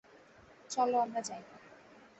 চলো আমরা যাই।